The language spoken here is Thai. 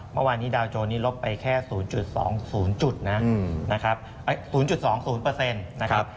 เมื่อวานนี้ดาวโจรนี้ลบไปแค่๐๒สูงจุดนะครับ